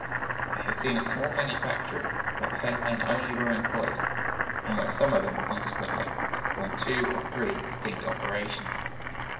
I have seen a small manufactory where ten men only were employed, and where some of them, consequently, performed two or three distinct operations.